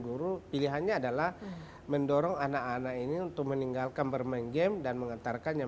guru pilihannya adalah mendorong anak anak ini untuk meninggalkan bermain game dan mengantarkannya